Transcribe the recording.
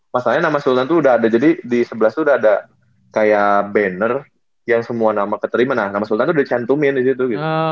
masalahnya nama sultan tuh udah ada jadi di sebelas tuh udah ada kayak banner yang semua nama keterima nah nama sultan tuh udah chantumin disitu gitu